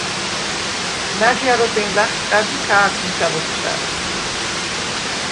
ნა̈დიარობენ ლა̈ხშყა̈დ ი ხა̄̈ქვ მიჩა ბოფშა̈რს: